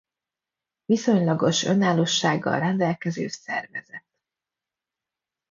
Viszonylagos önállósággal rendelkező szervezet.